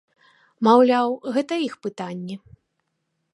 Маўляў, гэта іх пытанні.